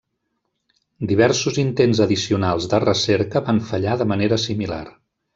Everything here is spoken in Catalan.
Diversos intents addicionals de recerca van fallar de manera similar.